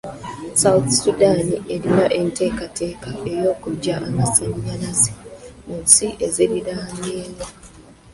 Sounth Sudan erina enteekateeka y'okuggya amasannyalaze mu nsi eziriraanyeewo.